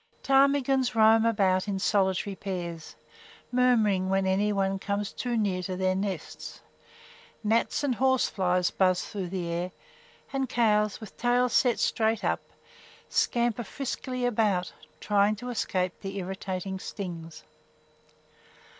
Ptarmigans roam about in solitary pairs, murmuring when any one comes too near their nests; gnats and horseflies buzz through the air; and cows, with tails set straight up, scamper friskily about, trying to escape the irritating stings.